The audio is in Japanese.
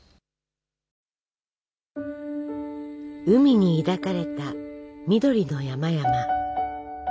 海に抱かれた緑の山々。